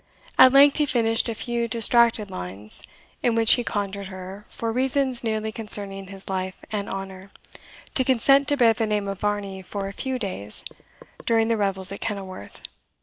At length he finished a few distracted lines, in which he conjured her, for reasons nearly concerning his life and honour, to consent to bear the name of Varney for a few days, during the revels at Kenilworth.